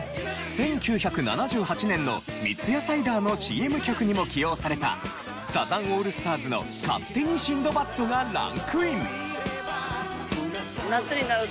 １９７８年の三ツ矢サイダーのＣＭ曲にも起用されたサザンオールスターズの『勝手にシンドバッド』がランクイン。